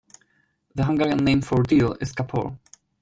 The Hungarian name for dill is "kapor".